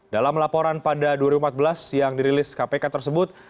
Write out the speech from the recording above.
dalam laporan pada dua ribu empat belas yang dirilis kpk tersebut